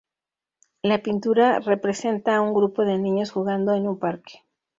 La pintura representa a un grupo de niños jugando en un parque.